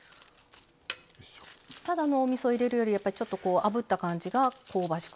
ただのおみそ入れるよりやっぱりちょっとあぶった感じが香ばしく。